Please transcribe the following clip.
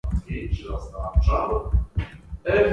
Medon is the faithful herald of Odysseus in Homer's "Odyssey".